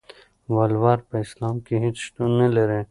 ولور په اسلام کې هيڅ شتون نلري.